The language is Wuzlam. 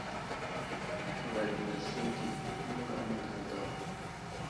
Huraɗ yo aslege, nəŋga mənday daw.